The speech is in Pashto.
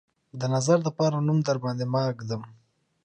د نظر دپاره نوم درباندې ماه ږدم